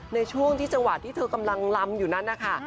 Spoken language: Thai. ในช่วงที่จังหวะที่เธอกำลังลำอยู่นั้นนะคะ